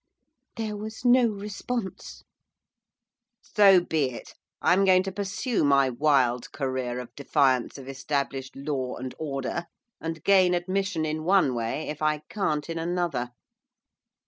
There was no response. 'So be it! I'm going to pursue my wild career of defiance of established law and order, and gain admission in one way, if I can't in another.